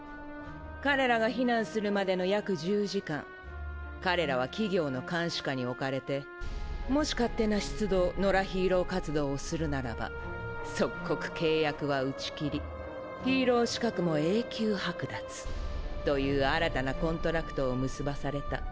彼らが避難するまでの約１０時間彼らは企業の監視下におかれてもし勝手な出動野良ヒーロー活動をするならば即刻契約は打ち切りヒーロー資格も永久剥奪という新たなコントラクトを結ばされた。